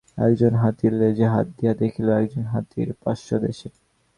একজন হাতীর লেজে হাত দিয়া দেখিল, একজন হাতীর পার্শ্বদেশে।